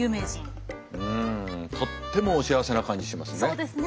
うんとってもお幸せな感じしますね。